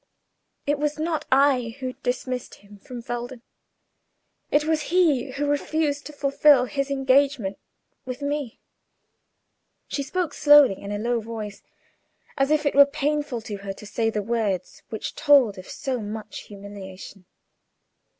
It was not I who dismissed him from Felden; it was he who refused to fulfil his engagement with me." She spoke slowly, in a low voice, as if it were painful to her to say the words which told of so much humiliation.